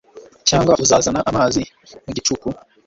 cyangwa uzazana amazi mu gicuku? i